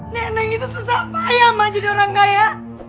neneng itu susah payah ma jadi orang kaya